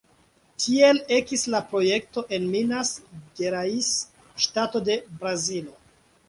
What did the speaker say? Tiel ekis la projekto en Minas Gerais, ŝtato de Brazilo.